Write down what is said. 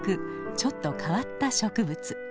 ちょっと変わった植物。